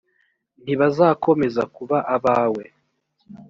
ntibazakomeza kuba abawe .